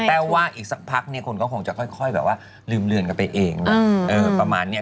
แต่ว่าอีกสักพักเองคนก็คงจะค่อยลืมเรือนกับไปเองประมาณนี้